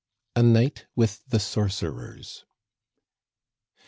A NIGHT WITH THE SORCERERS.